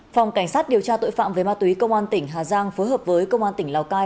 phòng cảnh sát điều tra tội phạm về ma túy công an tỉnh hà giang phối hợp với công an tỉnh lào cai